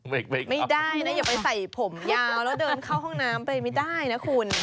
ไม่ได้นะอย่าไปใส่ผมยาวแล้วเดินเข้าห้องน้ำไปไม่ได้นะคุณ